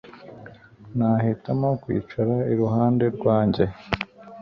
Nahitamo kwicara iruhande rwanjye